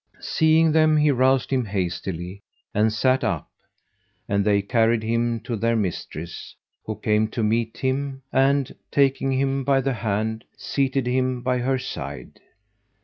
Seeing them he roused him hastily and sat up; and they carried him to their mistress, who came to meet him and, taking him by the hand, seated him by her side.